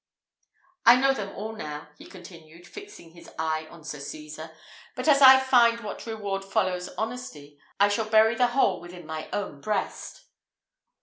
I know them all now," he continued, fixing his eye on Sir Cesar; "but as I find what reward follows honesty, I shall bury the whole within my own breast."